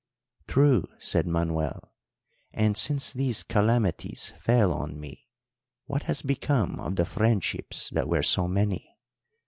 "'True,' said Manuel; 'and since these calamities fell on me, what has become of the friendships that were so many?